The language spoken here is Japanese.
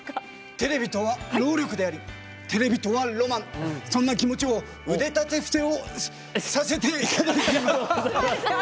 テレビとは、労力でありテレビとは、ロマンそんな気持ちを腕立て伏せをさせて。